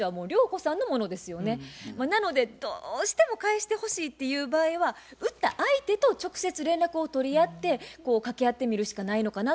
なのでどうしても返してほしいっていう場合は売った相手と直接連絡を取り合って掛け合ってみるしかないのかなと思います。